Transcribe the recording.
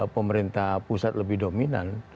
pemerintah pusat lebih dominan